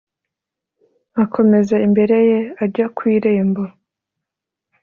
akomeza imbere ye ajya ku irembo